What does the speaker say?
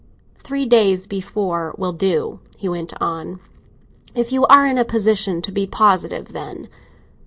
"Three days before will do," he went on, "if you are in a position to be positive then.